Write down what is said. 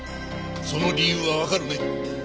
その理由はわかるね？